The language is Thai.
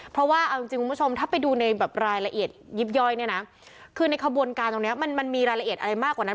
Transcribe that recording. เพราะว่าถ้าไปดูในรายละเอียดยิบย่อยคือในขบวนการตรงนี้มันมีรายละเอียดอะไรมากกว่านั้น